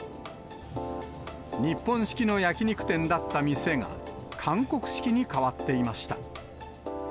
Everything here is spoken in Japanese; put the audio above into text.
日本式の焼き肉店だった店が、韓国式に変わっていました。